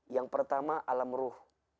yang pertama alam ruh